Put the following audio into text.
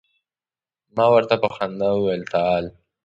ما ورته په خندا وویل تعال.